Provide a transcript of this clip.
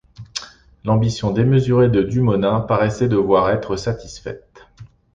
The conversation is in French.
L’ambition démesurée de Du Monin paraissait devoir être satisfaite.